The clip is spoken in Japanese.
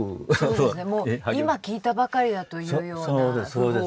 そうですねもう今聞いたばかりだというような訃報を。